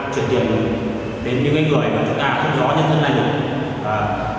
chuyển tiền đến những người mà chúng ta không rõ nhân thân này được